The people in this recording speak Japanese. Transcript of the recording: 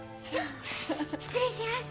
失礼します。